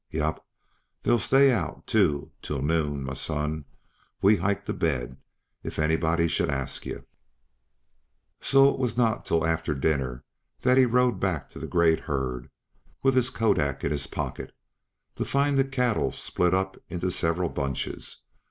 "Yep. They'll stay out, too, till noon, m'son. We hike to bed, if anybody should ask yuh." So it was not till after dinner that he rode back to the great herd with his Kodak in his pocket to find the cattle split up into several bunches.